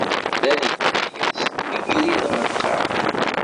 Ameɣlal inna-as: Ḍegger-it ɣer lqaɛa!